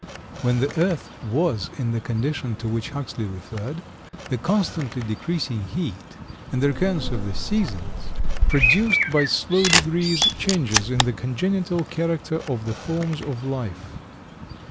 When the earth was in the condition to which Huxley referred, the constantly decreasing heat, and the recurrence of the seasons produced, by slow degrees, changes in the congenital character of the forms of life.